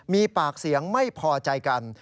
มีปากเสียงไม่พอใจกัน